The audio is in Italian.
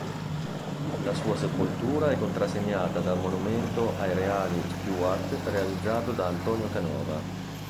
La sua sepoltura è contrassegnata dal monumento ai reali Stuart realizzato da Antonio Canova.